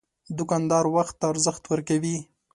دوکاندار وخت ته ارزښت ورکوي.